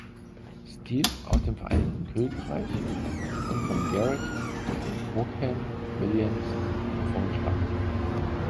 Steel aus dem Vereinigten Königreich und von Gareth Vaughan Williams vorgeschlagen.